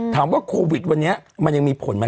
ถามว่าโควิดวันนี้มันยังมีผลไหม